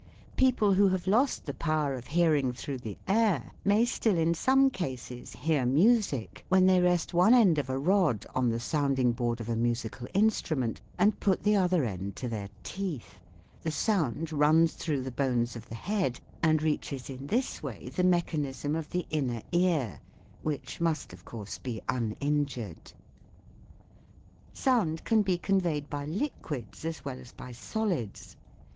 People who have lost the power of hearing through the air may still in some cases hear music when they rest one end of a rod on the sounding board of a musical instrument and put the other end to FIG. 2. String Telephone. their teeth. The sound runs through the bones of the head and reaches in this way the mechanism of the inner ear, which must of course be uninjured. Sound can be conveyed by liquids as well as by solids.